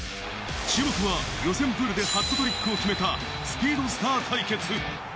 注目は予選プールでハットトリックを決めたスピードスター対決。